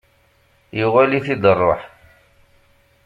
Yuɣal-it-id rruḥ.